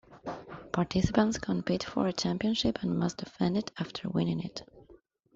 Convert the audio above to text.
Participants compete for a championship and must defend it after winning it.